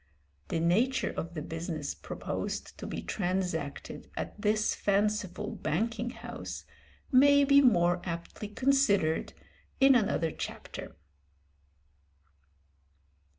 The nature of the business proposed to be transacted at this fanciful banking house may be more aptly considered in another chapter.